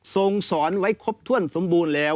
สอนไว้ครบถ้วนสมบูรณ์แล้ว